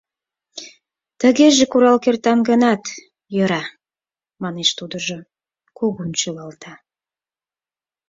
— Тыгеже курал кертам гынат, йӧра, — манеш тудыжо, кугун шӱлалта.